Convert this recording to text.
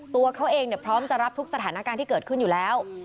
ตัวเขาเองพร้อมจะรับทุกสถานการณ์ที่เกิดขึ้นอยู่แล้ว